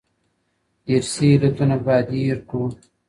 ارثي علتونه باید هیر کړو.